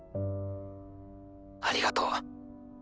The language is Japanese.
ありがとう。